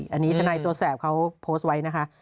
อันนี้ทนายตัวแสบเขาโพสต์ไว้นะคะ